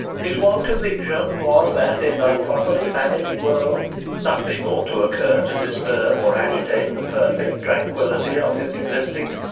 His one conviction was that in a properly managed world nothing ought to occur to disturb or agitate the perfect tranquillity of his existing.